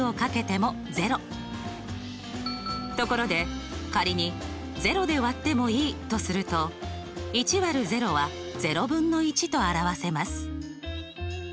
ところで仮に「０で割ってもいい」とすると１÷０はと表せます。